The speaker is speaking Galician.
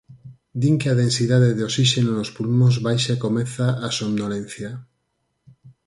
Din que a densidade de osíxeno nos pulmóns baixa e comeza a somnolencia.